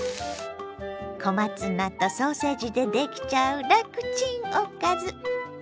小松菜とソーセージでできちゃう楽チンおかず。